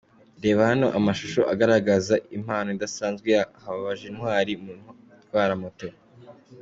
Reba hano amashusho agaragaza impano idasanzwe ya Hababajintwali mu gutwara moto .